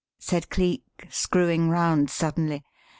said Cleek, screwing round suddenly.